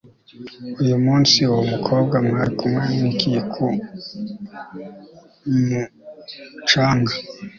Uyu munsi uwo mukobwa mwari kumwe niki ku mucanga